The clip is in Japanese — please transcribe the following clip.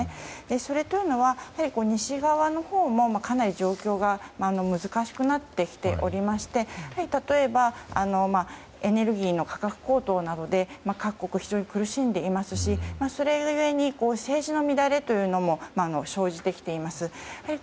それというのは西側のほうも、かなり状況が難しくなってきておりまして例えばエネルギーの価格高騰などで各国、非常に苦しんでいますしそれゆえに政治の乱れも生じてきています。